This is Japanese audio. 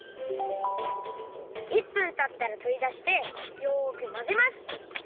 １分たったらとりだしてよくまぜます！